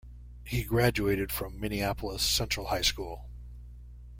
He graduated from Minneapolis Central High School.